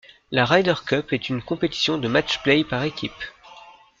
La Ryder Cup est une compétition de match-play par équipe.